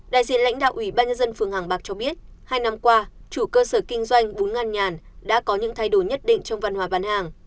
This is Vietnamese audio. đại diện lãnh đạo ủy ban nhân dân phường hàng bạc cho biết hai năm qua chủ cơ sở kinh doanh bún ngăn nhàn đã có những thay đổi nhất định trong văn hóa bán hàng